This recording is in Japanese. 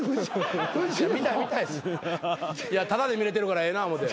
タダで見れてるからええな思うて。